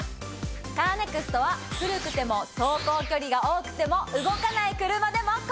カーネクストは古くても走行距離が多くても動かない車でも。